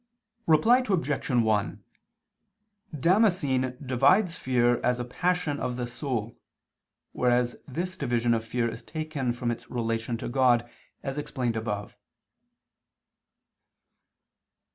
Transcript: Reply Obj. 1: Damascene divides fear as a passion of the soul: whereas this division of fear is taken from its relation to God, as explained above.